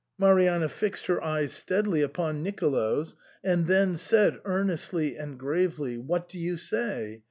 Marianna fixed her eyes steadily upon Nicolo's, and then said, earnestly and gravely, " What do you say